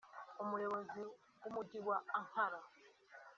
umuyobozi w'umujyi wa Ankara